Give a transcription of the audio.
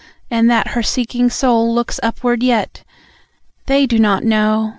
And that her seeking soul looks upward yet, THEY do not know